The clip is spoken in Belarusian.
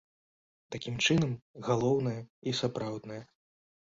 Такім чынам, галоўнае і сапраўднае.